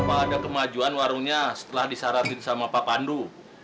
apa ada kemajuan warungnya setelah disarankan sama pak pandu